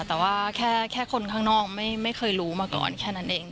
แต่ว่าแค่คนข้างนอกไม่เคยรู้มาก่อนแค่นั้นเอง